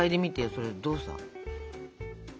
それどうさ？